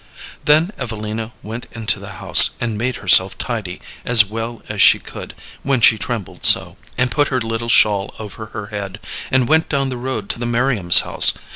Then Evelina went into the house, and made herself tidy as well as she could when she trembled so, and put her little shawl over her head, and went down the road to the Merriams' house.